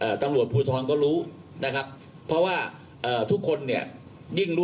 ตำรวจภูทรก็รู้นะครับเพราะว่าเอ่อทุกคนเนี่ยยิ่งรู้